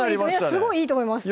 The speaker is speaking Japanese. すごいいいと思います